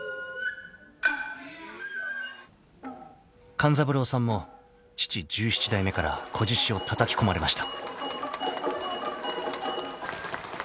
［勘三郎さんも父十七代目から仔獅子をたたき込まれました］